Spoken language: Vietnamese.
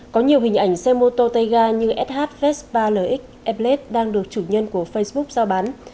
có nhiều hình ảnh xe mô tô tay ga như sh vs ba lx fled đang được chủ nhân của facebook do bán